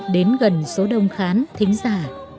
đến gần số đông khán thính giả